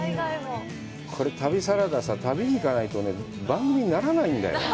これ、旅サラダさ、旅に行かないと、番組にならないんだよ。